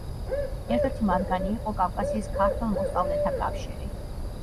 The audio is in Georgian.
ერთ-ერთი მათგანი იყო კავკასიის ქართველ მოსწავლეთა კავშირი.